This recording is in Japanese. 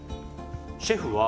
シェフは。